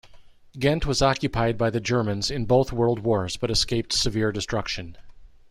Ghent was occupied by the Germans in both World Wars but escaped severe destruction.